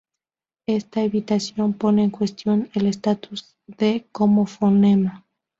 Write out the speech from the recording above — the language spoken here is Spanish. Esta evitación pone en cuestión el estatus de como fonema.